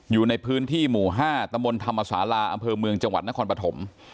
อยู่ในพื้นที่หมู่๕ตมธรรมศาลาอำเภอเมืองจังหวัดนครปฐม